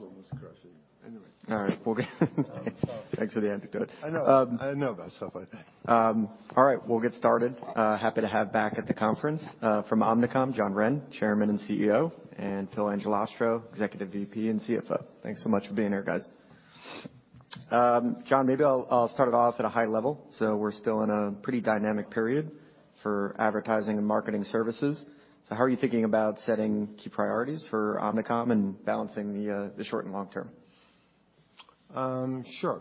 The wall's almost crushing. Anyways. All right. We'll get. Um, well- Thanks for the anecdote. I know. Um- I know about stuff I think. All right, we'll get started. Happy to have back at the conference, from Omnicom, John Wren, Chairman and CEO, and Philip Angelastro, Executive VP and CFO. Thanks so much for being here, guys. John, maybe I'll start it off at a high level. We're still in a pretty dynamic period for advertising and marketing services. How are you thinking about setting key priorities for Omnicom and balancing the short and long term? Sure.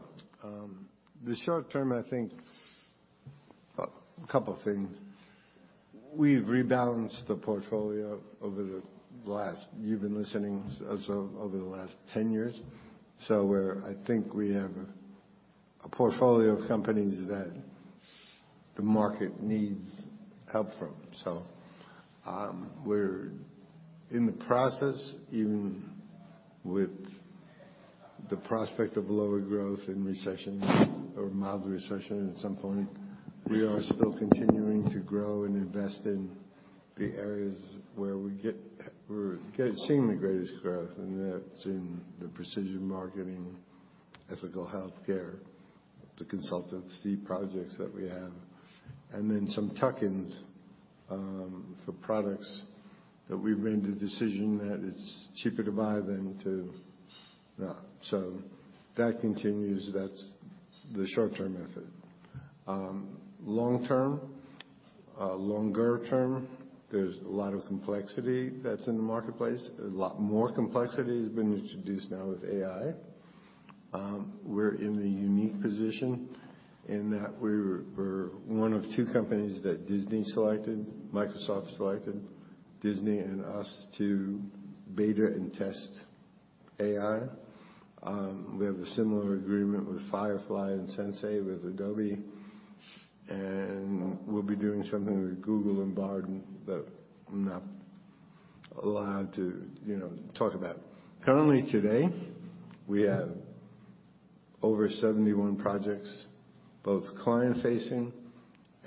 The short term, I think a couple things. We've rebalanced the portfolio over the last... you've been listening, over the last 10 years. I think we have a portfolio of companies that the market needs help from. We're in the process, even with the prospect of lower growth in recession or mild recession at some point, we are still continuing to grow and invest in the areas where we're seeing the greatest growth, and that's in the precision marketing, ethical healthcare, the consultancy projects that we have, and then some tuck-ins for products that we've made the decision that it's cheaper to buy than to... Yeah. That continues. That's the short-term method. Long term, longer term, there's a lot of complexity that's in the marketplace. A lot more complexity has been introduced now with AI. We're in the unique position in that we're one of two companies that Disney selected, Microsoft selected Disney and us to beta and test AI. We have a similar agreement with Firefly and Sensei, with Adobe. We'll be doing something with Google and Bard that I'm not allowed to, you know, talk about. Currently, today, we have over 71 projects, both client-facing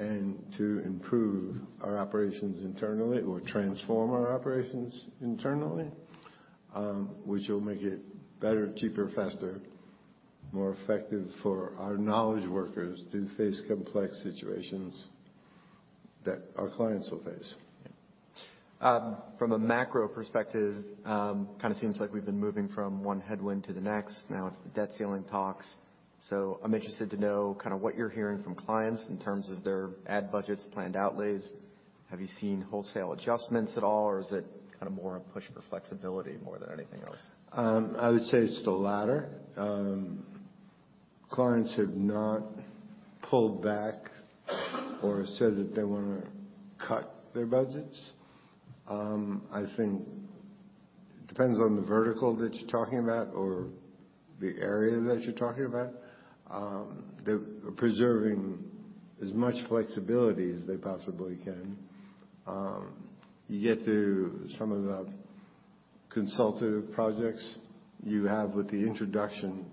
and to improve our operations internally or transform our operations internally, which will make it better, cheaper, faster, more effective for our knowledge workers to face complex situations that our clients will face. Yeah. From a macro perspective, kinda seems like we've been moving from one headwind to the next. Now it's the debt ceiling talks. I'm interested to know kinda what you're hearing from clients in terms of their ad budgets, planned outlays. Have you seen wholesale adjustments at all, or is it kinda more a push for flexibility more than anything else? I would say it's the latter. Clients have not pulled back or said that they wanna cut their budgets. I think it depends on the vertical that you're talking about or the area that you're talking about. They're preserving as much flexibility as they possibly can. You get to some of the consultative projects you have with the introduction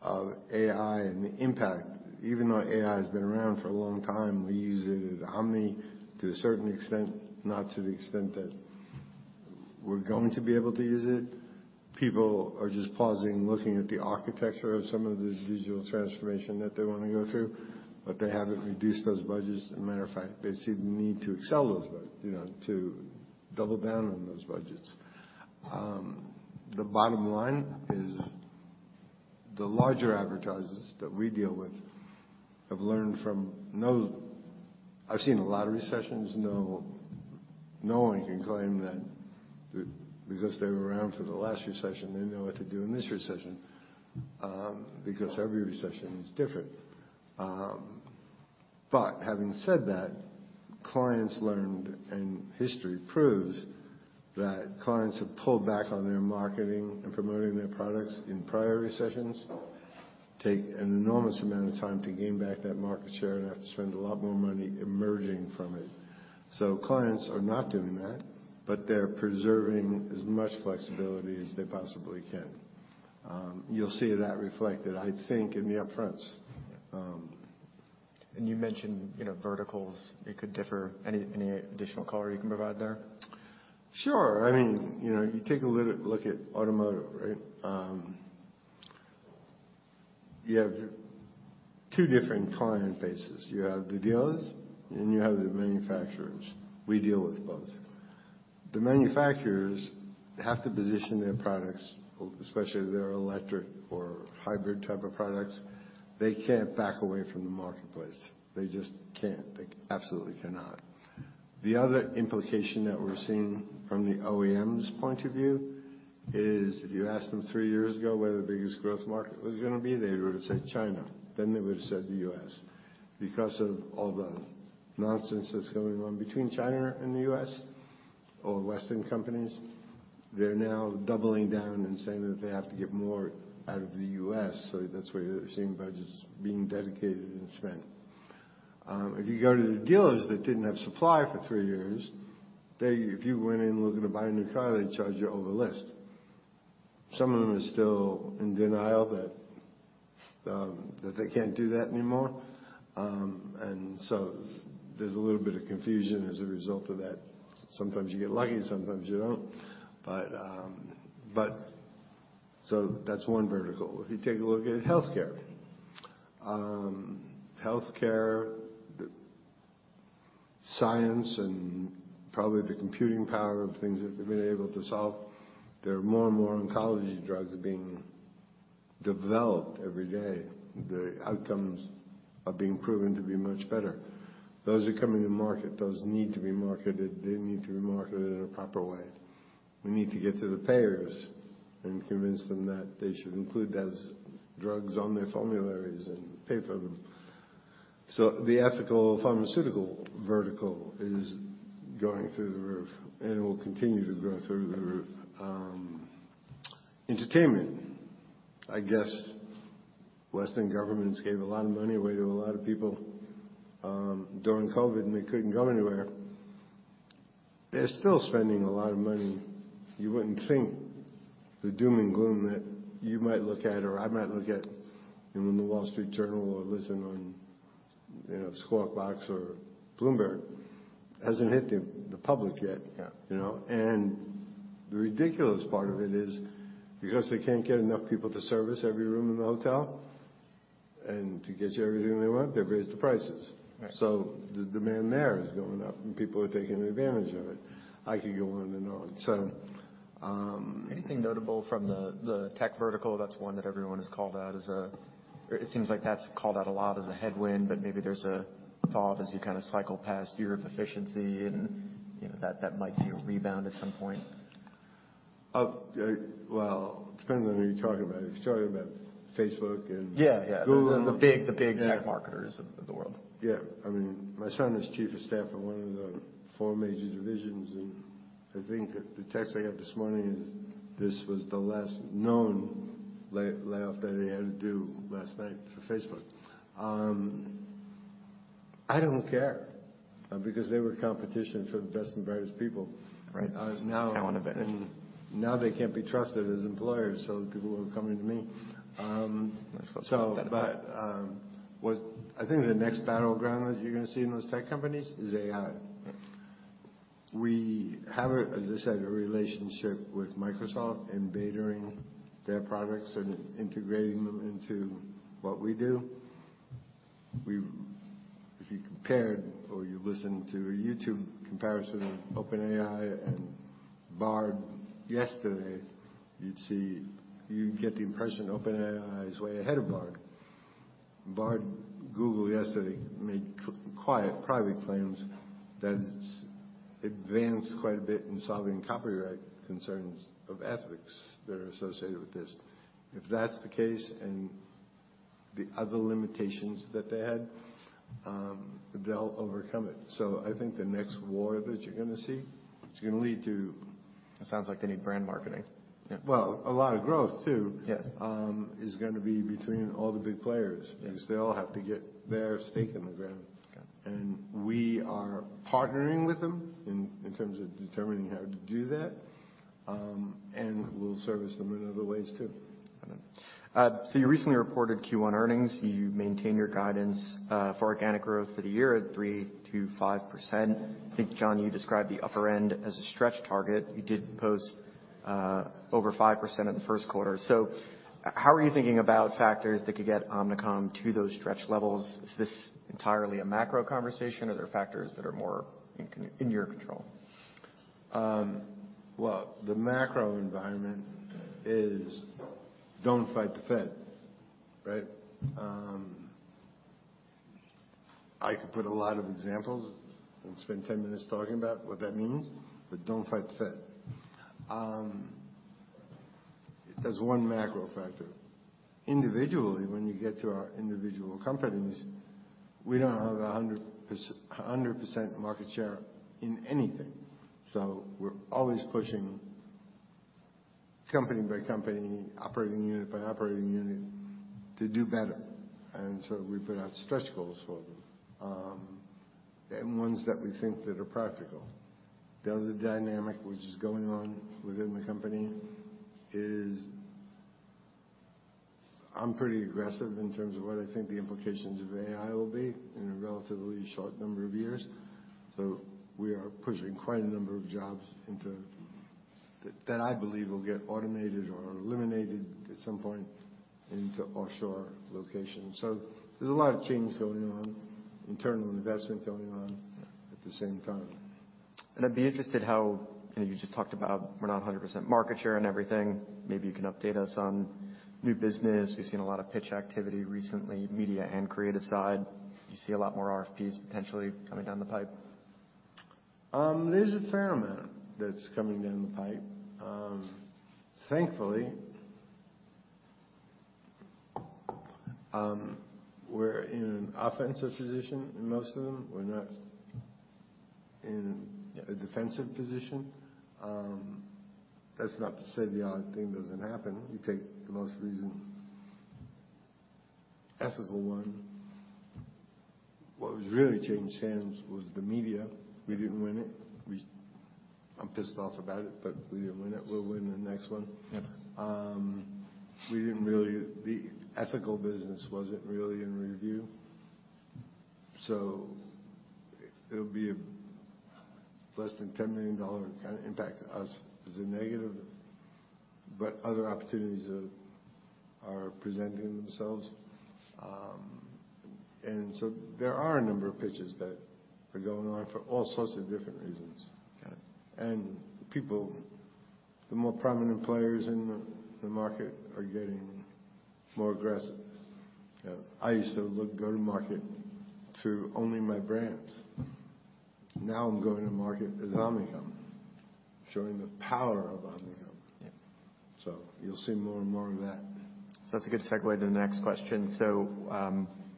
of AI and the impact. Even though AI has been around for a long time, we use it at Omni to a certain extent, not to the extent that we're going to be able to use it. People are just pausing, looking at the architecture of some of this digital transformation that they wanna go through, but they haven't reduced those budgets. As a matter of fact, they see the need to excel those, you know, to double down on those budgets. The bottom line is the larger advertisers that we deal with have learned from those... I've seen a lot of recessions. No one can claim that because they were around for the last recession, they know what to do in this recession, because every recession is different. But having said that, clients learned, and history proves, that clients have pulled back on their marketing and promoting their products in prior recessions, take an enormous amount of time to gain back that market share, and have to spend a lot more money emerging from it. Clients are not doing that, but they're preserving as much flexibility as they possibly can. You'll see that reflected, I think, in the upfronts. You mentioned, you know, verticals, it could differ. Any additional color you can provide there? Sure. I mean, you know, you take a look at automotive, right? You have two different client bases. You have the dealers, you have the manufacturers. We deal with both. The manufacturers have to position their products, especially their electric or hybrid type of products. They can't back away from the marketplace. They just can't. They absolutely cannot. The other implication that we're seeing from the OEM's point of view is if you asked them three years ago where the biggest growth market was gonna be, they would've said China, then they would've said the U.S. Of all the nonsense that's going on between China and the U.S. or Western companies, they're now doubling down and saying that they have to get more out of the U.S. That's why you're seeing budgets being dedicated and spent. If you go to the dealers that didn't have supply for three years, if you went in looking to buy a new car, they'd charge you over list. Some of them are still in denial that they can't do that anymore. There's a little bit of confusion as a result of that. Sometimes you get lucky, sometimes you don't. That's one vertical. If you take a look at healthcare. Healthcare, science, and probably the computing power of things that they've been able to solve, there are more and more oncology drugs being developed every day. The outcomes are being proven to be much better. Those are coming to market. Those need to be marketed. They need to be marketed in a proper way. We need to get to the payers and convince them that they should include those drugs on their formularies and pay for them. The ethical pharmaceutical vertical is going through the roof and will continue to grow through the roof. Entertainment, I guess Western governments gave a lot of money away to a lot of people during COVID, and they couldn't go anywhere. They're still spending a lot of money. You wouldn't think the doom and gloom that you might look at or I might look at in The Wall Street Journal or listen on, you know, Squawk Box or Bloomberg hasn't hit the public yet. Yeah. You know? The ridiculous part of it is because they can't get enough people to service every room in the hotel and to get you everything they want, they've raised the prices. Right. The demand there is going up, and people are taking advantage of it. I could go on and on. Anything notable from the tech vertical? That's one that everyone has called out as or it seems like that's called out a lot as a headwind, but maybe there's a thought as you kind of cycle past Europe efficiency and, you know, that might see a rebound at some point. well, depends on who you're talking about. If you're talking about Facebook. Yeah. Google. The big- Yeah. -tech marketers of the world. Yeah. I mean, my son is chief of staff of one of the four major divisions, and I think the text I got this morning is this was the last known layoff that he had to do last night for Facebook. I don't care because they were competition for the best and brightest people. Right. As now- Talent event. Now they can't be trusted as employers, so people are coming to me. That's what's best about it. What I think the next battleground that you're gonna see in those tech companies is AI. Right. We have a, as I said, a relationship with Microsoft in beta-ing their products and integrating them into what we do. If you compared or you listen to a YouTube comparison of OpenAI and Bard yesterday, you'd get the impression OpenAI is way ahead of Bard. Bard, Google yesterday made quiet private claims that it's advanced quite a bit in solving copyright concerns of ethics that are associated with this. If that's the case and the other limitations that they had, they'll overcome it. I think the next war that you're gonna see, it's gonna lead to- It sounds like they need brand marketing. Yeah. Well, a lot of growth too. Yeah. Is gonna be between all the big players. Yeah. because they all have to get their stake in the ground. Okay. We are partnering with them in terms of determining how to do that, and we'll service them in other ways too. Got it. You recently reported Q1 earnings. You maintained your guidance for organic growth for the year at 3%-5%. I think, John, you described the upper end as a stretch target. You did post over 5% in the first quarter. How are you thinking about factors that could get Omnicom to those stretch levels? Is this entirely a macro conversation, or are there factors that are more in your control? Well, the macro environment is don't fight the Fed, right? I could put a lot of examples and spend 10 minutes talking about what that means, but don't fight the Fed. That's 1 macro factor. Individually, when you get to our individual companies, we don't have 100% market share in anything. We're always pushing company by company, operating unit by operating unit to do better. We put out stretch goals for them, and ones that we think that are practical. The other dynamic which is going on within the company is I'm pretty aggressive in terms of what I think the implications of AI will be in a relatively short number of years. We are pushing quite a number of jobs into... that I believe will get automated or eliminated at some point into offshore locations. There's a lot of change going on, internal investment going on. Yeah. at the same time. I'd be interested how, you know, you just talked about we're not 100% market share in everything. Maybe you can update us on new business. We've seen a lot of pitch activity recently, media and creative side. Do you see a lot more RFPs potentially coming down the pipe? There's a fair amount that's coming down the pipe. Thankfully, we're in an offensive position in most of them. We're not. Yeah. A defensive position. That's not to say the odd thing doesn't happen. You take the most recent ethical one. What was really changed hands was the media. We didn't win it. I'm pissed off about it. We didn't win it. We'll win the next one. Got it. we didn't really... The ethical business wasn't really in review. It'll be a less than $10 million kind of impact to us as a negative, but other opportunities are presenting themselves. There are a number of pitches that are going on for all sorts of different reasons. Got it. People, the more prominent players in the market are getting more aggressive. Yeah. I used to look, go to market through only my brands. Now I'm going to market as Omnicom, showing the power of Omnicom. Yeah. You'll see more and more of that. That's a good segue to the next question.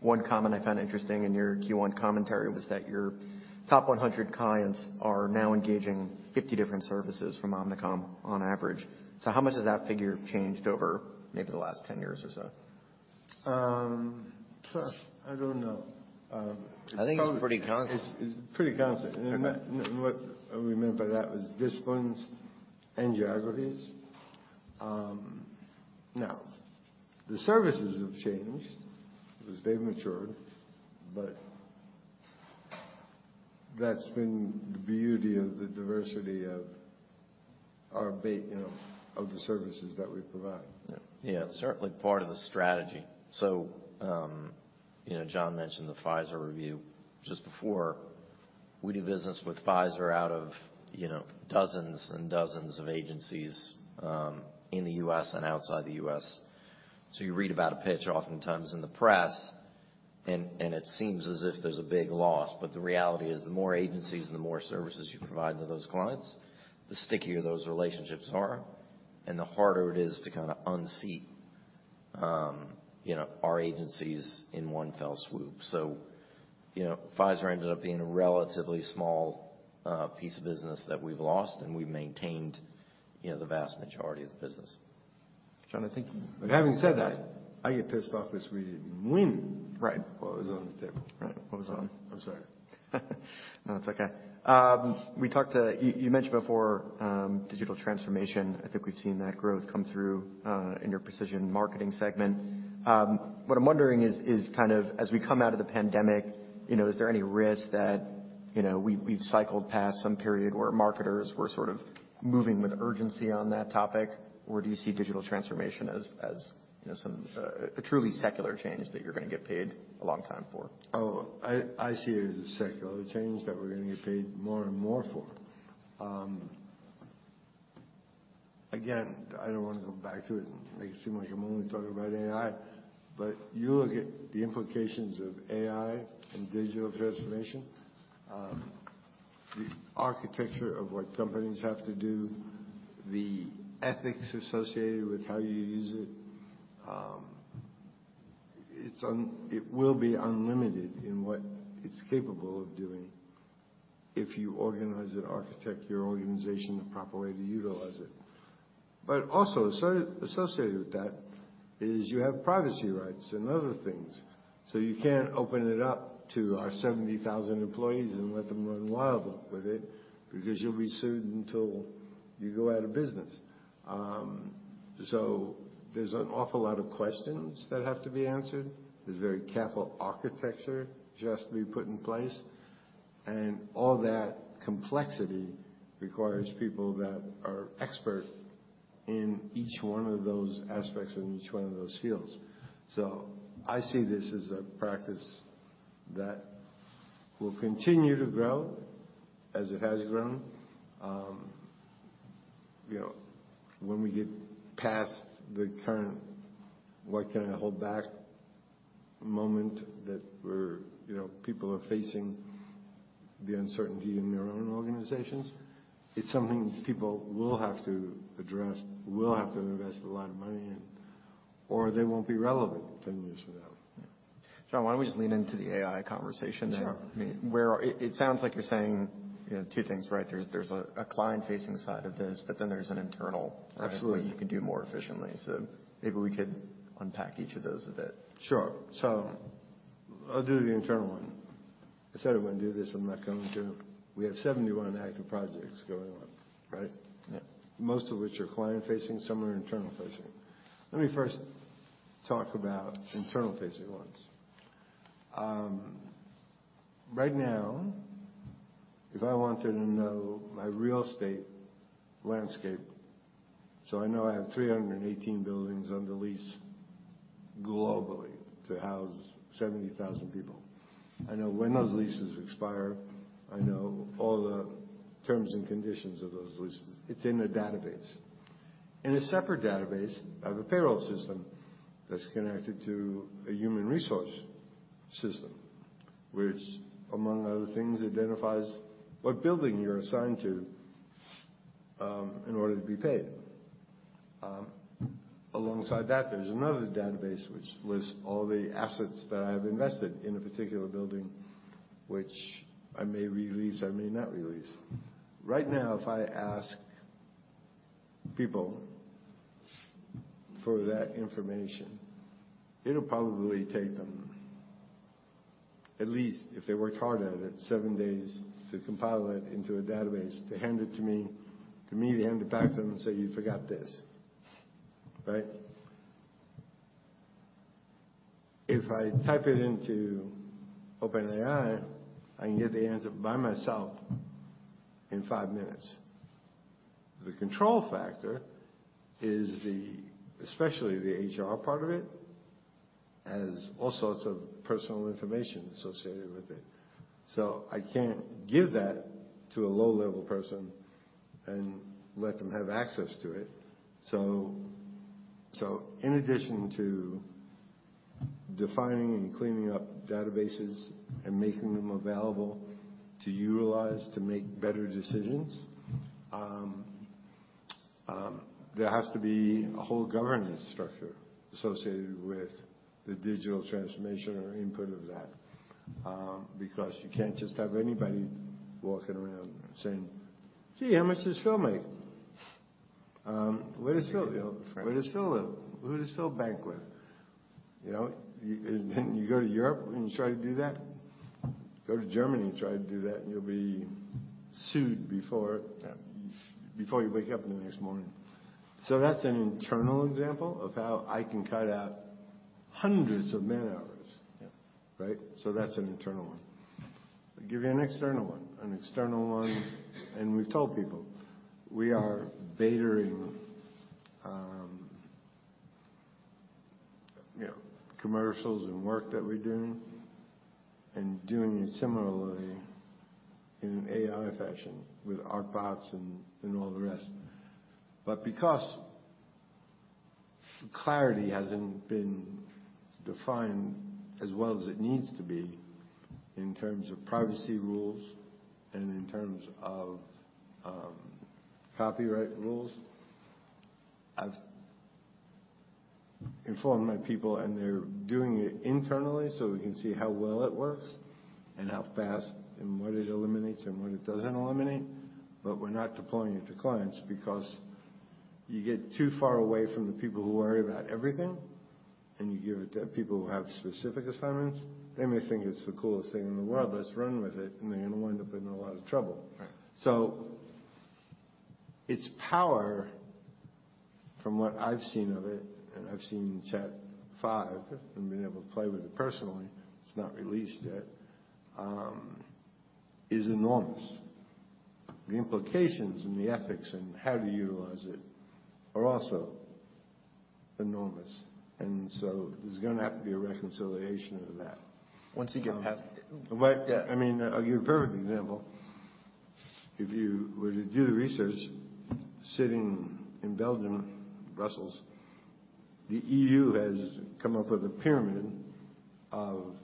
One comment I found interesting in your Q1 commentary was that your top 100 clients are now engaging 50 different services from Omnicom on average. How much has that figure changed over maybe the last 10 years or so? I don't know. I think it's pretty constant. It's pretty constant. Okay. What we meant by that was disciplines and geographies. Now the services have changed as they've matured, but that's been the beauty of the diversity of our bait, you know, of the services that we provide. Yeah. It's certainly part of the strategy. You know, John mentioned the Pfizer review just before. We do business with Pfizer out of, you know, dozens and dozens of agencies in the U.S. and outside the U.S. You read about a pitch oftentimes in the press and it seems as if there's a big loss. The reality is the more agencies and the more services you provide to those clients, the stickier those relationships are and the harder it is to kind of unseat, you know, our agencies in one fell swoop. You know, Pfizer ended up being a relatively small piece of business that we've lost and we've maintained, you know, the vast majority of the business. John, I think. Having said that, I get pissed off because we didn't win. Right what was on the table. Right. What was on- I'm sorry. No, that's okay. You mentioned before, digital transformation. I think we've seen that growth come through, in your precision marketing segment. What I'm wondering is kind of as we come out of the pandemic, you know, is there any risk that, you know, we've cycled past some period where marketers were sort of moving with urgency on that topic? Or do you see digital transformation as, you know, some, a truly secular change that you're going to get paid a long time for? Oh, I see it as a secular change that we're gonna get paid more and more for. Again, I don't want to go back to it and make it seem like I'm only talking about AI, but you look at the implications of AI and digital transformation, the architecture of what companies have to do, the ethics associated with how you use it will be unlimited in what it's capable of doing if you organize and architect your organization the proper way to utilize it. Also associated with that is you have privacy rights and other things. You can't open it up to our 70,000 employees and let them run wild with it, because you'll be sued until you go out of business. There's an awful lot of questions that have to be answered. There's very careful architecture has to be put in place, and all that complexity requires people that are expert in each one of those aspects, in each one of those fields. I see this as a practice that will continue to grow as it has grown. You know, when we get past the current what can I hold back moment that we're, you know, people are facing the uncertainty in their own organizations, it's something people will have to address, will have to invest a lot of money in or they won't be relevant 10 years from now. Yeah. John, why don't we just lean into the AI conversation there? Sure. Where it sounds like you're saying, you know, two things, right? There's a client-facing side of this, but then there's an internal. Absolutely ...way you can do more efficiently. Maybe we could unpack each of those a bit. Sure. I'll do the internal one. I said I wouldn't do this. I'm not going to. We have 71 active projects going on, right? Yeah. Most of which are client facing, some are internal facing. Let me first talk about internal facing ones. Right now, if I wanted to know my real estate landscape, so I know I have 318 buildings under lease globally to house 70,000 people. I know when those leases expire. I know all the terms and conditions of those leases. It's in a database. In a separate database, I have a payroll system that's connected to a human resource system, which among other things, identifies what building you're assigned to, in order to be paid. Alongside that, there's another database which lists all the assets that I've invested in a particular building, which I may re-lease, I may not re-lease. Right now if I ask people for that information, it'll probably take them at least, if they worked hard at it, seven days to compile it into a database, to hand it to me, for me to hand it back to them and say, "You forgot this." Right? If I type it into OpenAI, I can get the answer by myself in five minutes. The control factor is the especially the HR part of it, has all sorts of personal information associated with it. I can't give that to a low-level person and let them have access to it. In addition to defining and cleaning up databases and making them available to utilize to make better decisions, there has to be a whole governance structure associated with the digital transformation or input of that. Because you can't just have anybody walking around saying, "Gee, how much does Phil make? where does Phil live? Who does Phil bank with?" You know? You go to Europe and you try to do that. Go to Germany and try to do that, and you'll be sued before- Yeah. Before you wake up the next morning. That's an internal example of how I can cut out hundreds of man-hours. Yeah. Right? That's an internal one. I'll give you an external one. An external one, and we've told people, we are beta-ing, you know, commercials and work that we're doing and doing it similarly in an AI fashion with Art Bot and all the rest. Because clarity hasn't been defined as well as it needs to be in terms of privacy rules and in terms of copyright rules, I've informed my people, and they're doing it internally so we can see how well it works and how fast and what it eliminates and what it doesn't eliminate. We're not deploying it to clients because you get too far away from the people who worry about everything, and you give it to people who have specific assignments. They may think it's the coolest thing in the world, let's run with it, and they're gonna wind up in a lot of trouble. Right. Its power, from what I've seen of it, and I've seen Chat and been able to play with it personally, it's not released yet, is enormous. The implications and the ethics and how to utilize it are also enormous. There's gonna have to be a reconciliation of that. Once you get past But- Yeah. I mean, I'll give you a perfect example. If you were to do the research sitting in Belgium, Brussels, the EU has come up with a pyramid of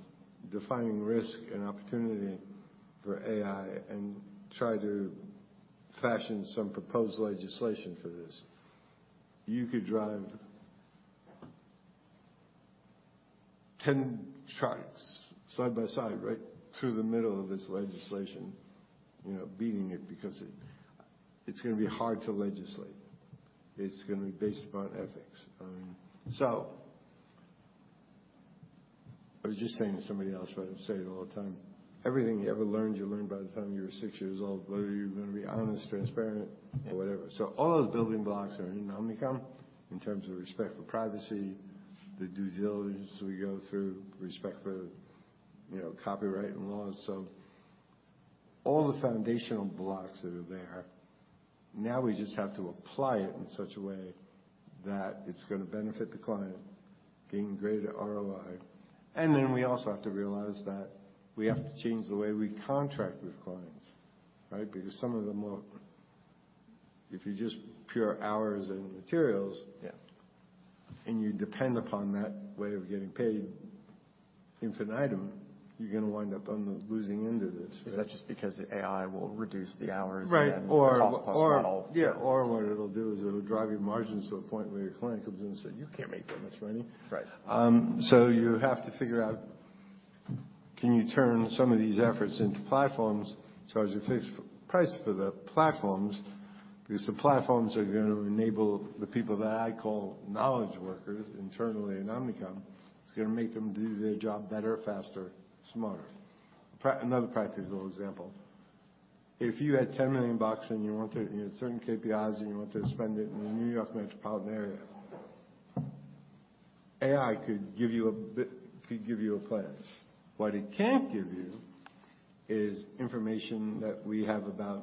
defining risk and opportunity for AI and try to fashion some proposed legislation for this. You could drive 10 trucks side by side right through the middle of this legislation, you know, beating it, because it's gonna be hard to legislate. It's gonna be based upon ethics. I was just saying to somebody else, but I say it all the time, everything you ever learned, you learned by the time you were six years old, whether you're gonna be honest, transparent- Yeah. Whatever. All those building blocks are in Omnicom in terms of respect for privacy, the due diligence we go through, respect for, you know, copyright and laws. All the foundational blocks are there. We just have to apply it in such a way that it's gonna benefit the client, gain greater ROI. We also have to realize that we have to change the way we contract with clients, right? Some of them won't... If you just pure hours and materials... Yeah. You depend upon that way of getting paid ad infinitum, you're gonna wind up on the losing end of this. Is that just because the AI will reduce the hours? Right. The cost plus model. Yeah. What it'll do is it'll drive your margins to a point where your client comes in and say, "You can't make that much money. Right. You have to figure out, can you turn some of these efforts into platforms, charge a price for the platforms? The platforms are gonna enable the people that I call knowledge workers internally at Omnicom. It's gonna make them do their job better, faster, smarter. Another practical example. If you had $10 million and you had certain KPIs and you want to spend it in the New York metropolitan area, AI could give you a plan. What it can't give you is information that we have about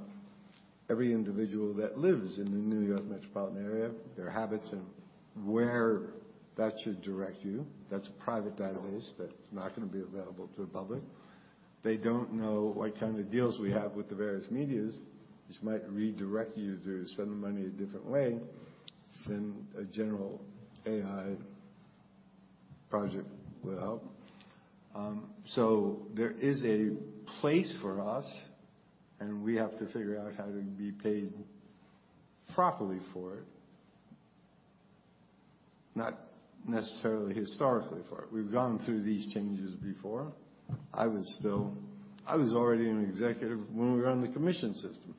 every individual that lives in the New York metropolitan area, their habits and where that should direct you. That's a private database. That's not gonna be available to the public. They don't know what kind of deals we have with the various medias, which might redirect you to spend the money a different way than a general AI project would help. There is a place for us, and we have to figure out how to be paid properly for it. Not-Necessarily historically for it. We've gone through these changes before. I was already an executive when we were on the commission system.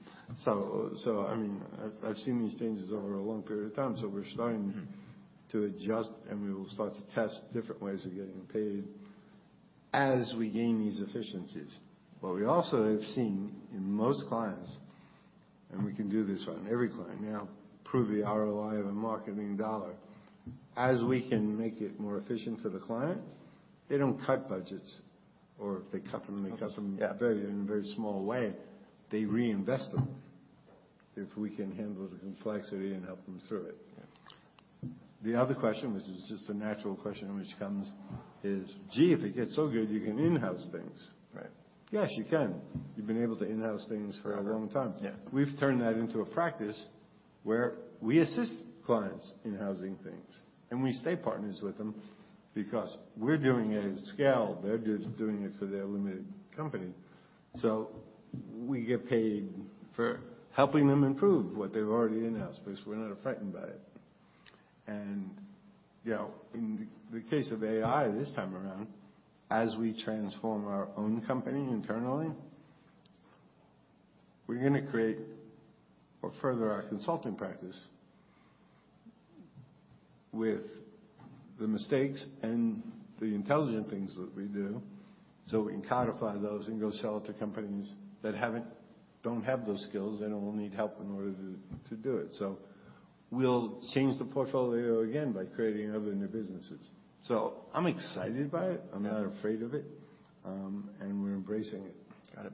I mean, I've seen these changes over a long period of time. We're starting to adjust, and we will start to test different ways of getting paid as we gain these efficiencies. What we also have seen in most clients, and we can do this on every client now, prove the ROI of a marketing dollar. As we can make it more efficient for the client, they don't cut budgets, or if they cut them, they cut them. Yeah in a very small way. They reinvest them if we can handle the complexity and help them through it. Yeah. The other question, which is just a natural question which comes is, "Gee, if it gets so good, you can in-house things. Right. Yes, you can. You've been able to in-house things for a long time. Yeah. We've turned that into a practice where we assist clients in housing things, and we stay partners with them because we're doing it at scale. They're just doing it for their limited company. We get paid for helping them improve what they've already in-housed because we're not frightened by it. You know, in the case of AI this time around, as we transform our own company internally, we're gonna create or further our consulting practice with the mistakes and the intelligent things that we do, so we can codify those and go sell it to companies that don't have those skills and will need help in order to do it. We'll change the portfolio again by creating other new businesses. I'm excited by it. Yeah. I'm not afraid of it, and we're embracing it. Got it.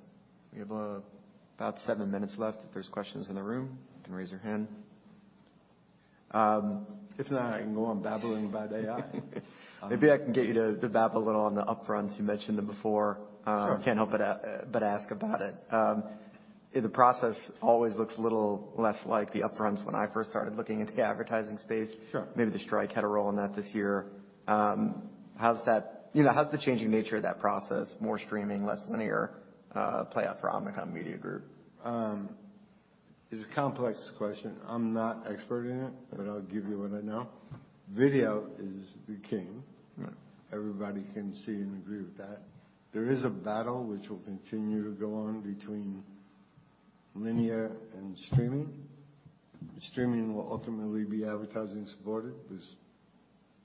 We have about seven minutes left. If there's questions in the room, you can raise your hand. If not, I can go on babbling about AI. Maybe I can get you to babble a little on the upfronts. You mentioned them before. Sure. Can't help but ask about it. The process always looks a little less like the upfronts when I first started looking into the advertising space. Sure. Maybe the strike had a role in that this year. You know, how's the changing nature of that process, more streaming, less linear, play out for Omnicom Media Group? It's a complex question. I'm not expert in it, but I'll give you what I know. Video is the king. Right. Everybody can see and agree with that. There is a battle which will continue to go on between linear and streaming. Streaming will ultimately be advertising supported 'cause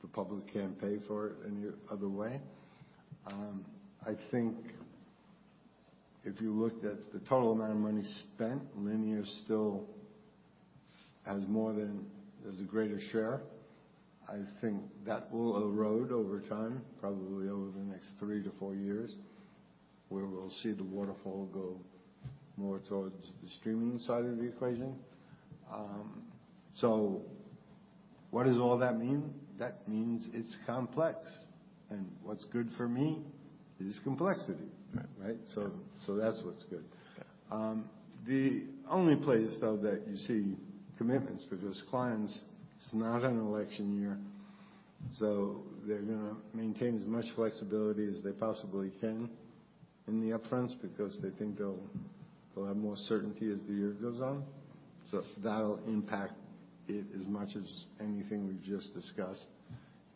the public can't pay for it any other way. I think if you looked at the total amount of money spent, linear still has the greatest share. I think that will erode over time, probably over the next three to four years, where we'll see the waterfall go more towards the streaming side of the equation. What does all that mean? That means it's complex, and what's good for me is complexity. Right. Right? That's what's good. Yeah. The only place, though, that you see commitments with those clients, it's not an election year, so they're gonna maintain as much flexibility as they possibly can in the upfronts because they think they'll have more certainty as the year goes on. That'll impact it as much as anything we've just discussed,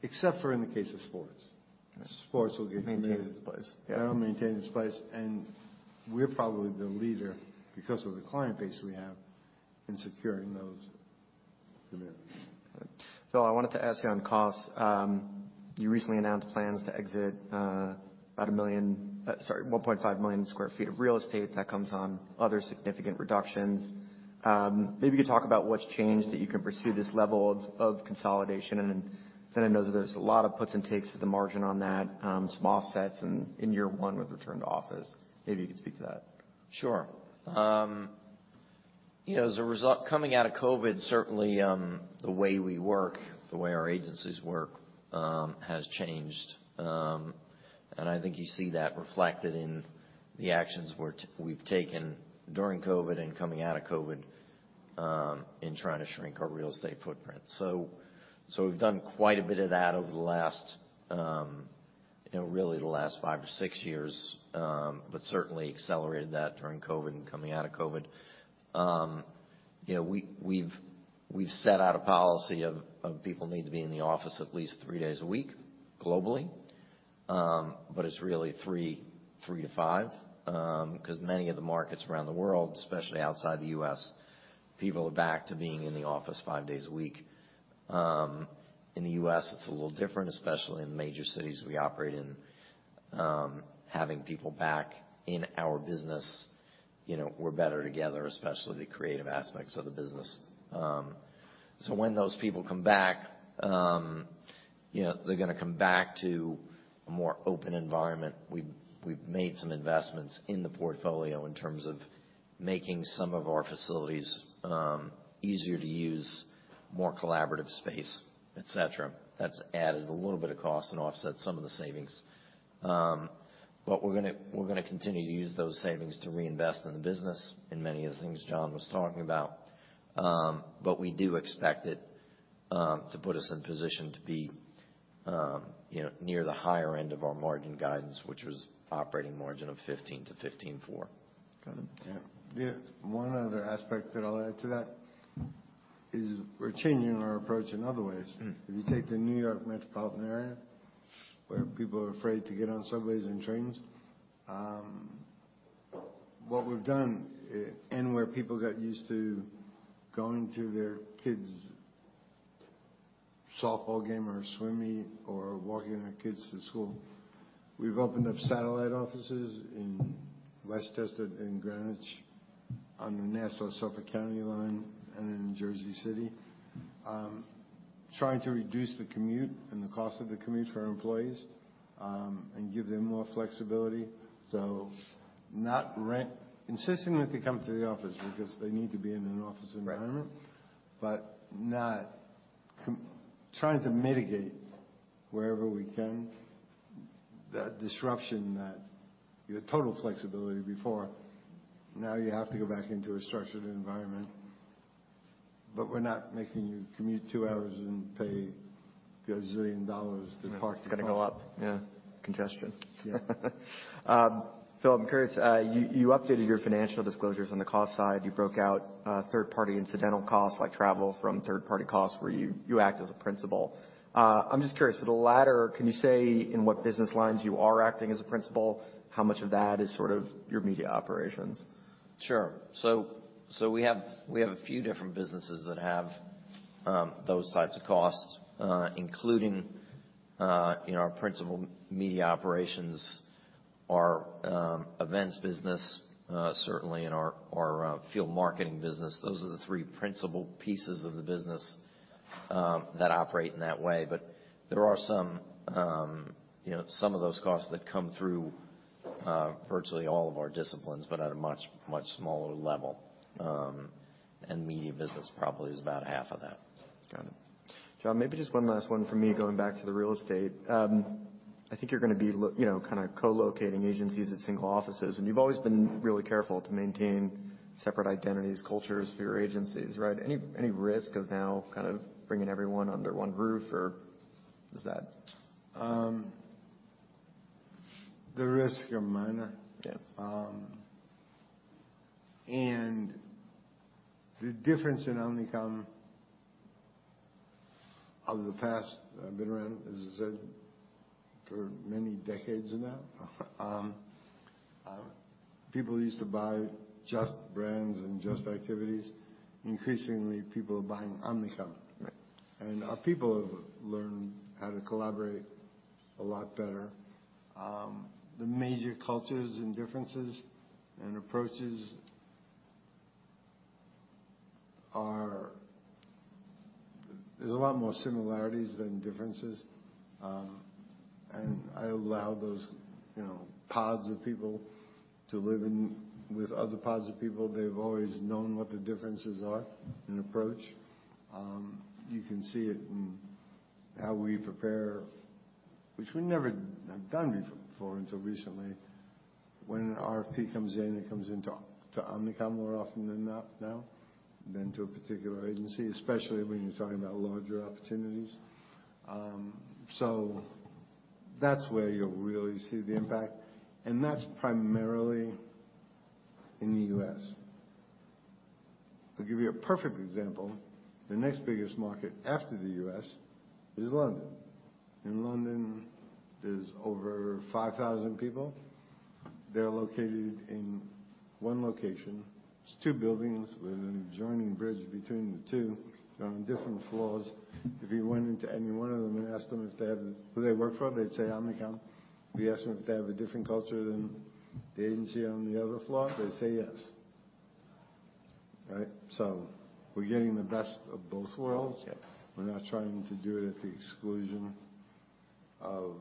except for in the case of sports. Okay. Sports will. Maintain its place. Yeah, it'll maintain its place, and we're probably the leader because of the client base we have in securing those commitments. Phil, I wanted to ask you on costs. You recently announced plans to exit about 1 million, sorry, 1.5 million sq ft of real estate. That comes on other significant reductions. Maybe you could talk about what's changed that you can pursue this level of consolidation. I know that there's a lot of puts and takes to the margin on that, some offsets in year one with return to office. Maybe you could speak to that. Sure. you know, Coming out of COVID, certainly, the way we work, the way our agencies work, has changed. I think you see that reflected in the actions we've taken during COVID and coming out of COVID, in trying to shrink our real estate footprint. We've done quite a bit of that over the last, you know, really the last five or six years, but certainly accelerated that during COVID and coming out of COVID. you know, we've set out a policy of people need to be in the office at least three days a week globally. It's really 3-5, 'cause many of the markets around the world, especially outside the US, people are back to being in the office five days a week. In the U.S., it's a little different, especially in the major cities we operate in. Having people back in our business, you know, we're better together, especially the creative aspects of the business. When those people come back, you know, they're gonna come back to a more open environment. We've made some investments in the portfolio in terms of making some of our facilities easier to use, more collaborative space, et cetera. That's added a little bit of cost and offset some of the savings. We're gonna continue to use those savings to reinvest in the business in many of the things John was talking about. We do expect it to put us in position to be, you know, near the higher end of our margin guidance, which was operating margin of 15%-15.4%. One other aspect that I'll add to that is we're changing our approach in other ways. Mm-hmm. If you take the New York metropolitan area, where people are afraid to get on subways and trains, what we've done and where people got used to going to their kids' softball game or swim meet or walking their kids to school, we've opened up satellite offices in Westchester, in Greenwich, on the Nassau-Suffolk County line, and in Jersey City. Trying to reduce the commute and the cost of the commute for our employees, and give them more flexibility. Not insisting that they come to the office because they need to be in an office environment. Right. Not trying to mitigate wherever we can that disruption that you had total flexibility before. Now you have to go back into a structured environment. We're not making you commute two hours and pay a zillion dollars to park. It's gonna go up. Yeah. Congestion. Yeah. Phil, I'm curious. You updated your financial disclosures on the cost side. You broke out third-party incidental costs, like travel from third-party costs where you act as a principal. I'm just curious. For the latter, can you say in what business lines you are acting as a principal? How much of that is sort of your media operations? Sure. We have a few different businesses that have those types of costs, including in our principal media operations, our events business, certainly in our field marketing business. Those are the three principal pieces of the business that operate in that way. There are some, you know, some of those costs that come through virtually all of our disciplines, but at a much smaller level. Media business probably is about half of that. Got it. John, maybe just one last one from me going back to the real estate. I think you're gonna be you know, kinda co-locating agencies at single offices. You've always been really careful to maintain separate identities, cultures for your agencies, right? Any risk of now kind of bringing everyone under one roof, or is that? The risks are minor. Yeah. The difference in Omnicom of the past, I've been around, as I said, for many decades now. People used to buy just brands and just activities. Increasingly, people are buying Omnicom. Right. Our people have learned how to collaborate a lot better. The major cultures and differences and approaches are. There's a lot more similarities than differences. I allow those, you know, pods of people to live in with other pods of people. They've always known what the differences are in approach. You can see it in how we prepare, which we never have done before until recently. When an RFP comes in, it comes into Omnicom more often than not now than to a particular agency, especially when you're talking about larger opportunities. That's where you'll really see the impact, and that's primarily in the U.S. To give you a perfect example, the next biggest market after the U.S. is London. In London, there's over 5,000 people. They're located in one location. It's two buildings with an adjoining bridge between the two. They're on different floors. If you went into any one of them and asked them who they work for, they'd say, "Omnicom." If you ask them if they have a different culture than the agency on the other floor, they'd say, "Yes." Right? We're getting the best of both worlds. Yeah. We're not trying to do it at the exclusion of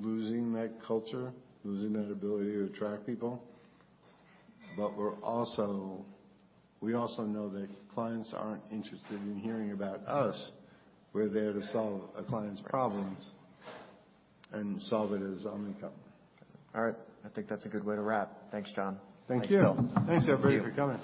losing that culture, losing that ability to attract people. We also know that clients aren't interested in hearing about us. We're there to solve a client's problems and solve it as Omnicom. All right. I think that's a good way to wrap. Thanks, John. Thank you. Thanks, Phil. Thanks, everybody, for coming.